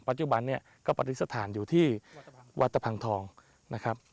จุบันเนี่ยก็ปฏิสถานอยู่ที่วัดตะพังทองนะครับ